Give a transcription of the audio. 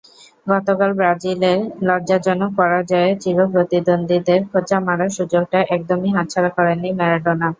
গতকাল ব্রাজিলের লজ্জাজনক পরাজয়ে চিরপ্রতিদ্বন্দ্বীদের খোঁচা মারার সুযোগটা একদমই হাতছাড়া করেননি ম্যারাডোনা।